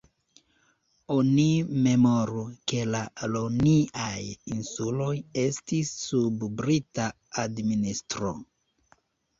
Oni memoru, ke la Ioniaj insuloj estis sub Brita administro.